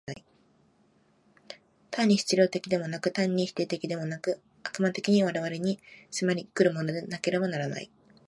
単に質料的でもなく、単に否定的でもなく、悪魔的に我々に迫り来るものでなければならない。